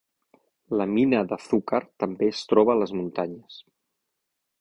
La mina d'Azúcar també es troba a les muntanyes.